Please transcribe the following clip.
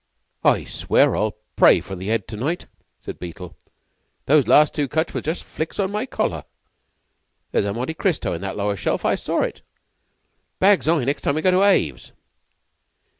"I swear I'll pray for the Head to night," said Beetle. "Those last two cuts were just flicks on my collar. There's a 'Monte Cristo' in that lower shelf. I saw it. Bags I, next time we go to Aves!"